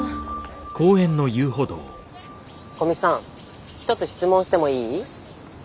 古見さん一つ質問してもいい？